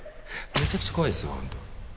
めちゃくちゃ怖いですよ本当。